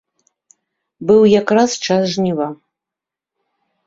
Быў якраз час жніва.